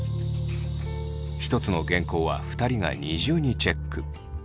１つの原稿は２人が二重にチェック。